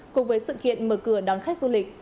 cùng với sự kiện mở cửa đón khách du lịch